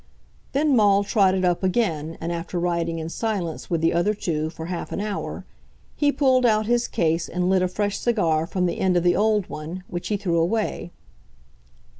Then Maule trotted up again, and after riding in silence with the other two for half an hour, he pulled out his case and lit a fresh cigar from the end of the old one, which he threw away.